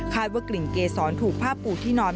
ว่ากลิ่นเกษรถูกผ้าปูที่นอน